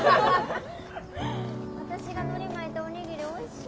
私がのり巻いたお握りおいしい。